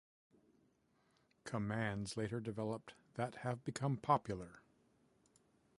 Commands later developed that have become popular.